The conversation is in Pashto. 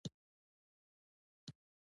ما ورته وویل: یوه يې زما میرمن ده.